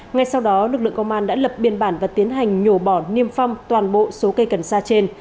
ngay sau đó lực lượng công an đã lập biên bản và tiến hành nhổ bỏ niêm phong toàn bộ số cây cần sa trên